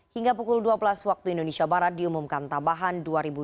hingga pukul dua belas waktu indonesia barat diumumkan tambahan dua ribu dua puluh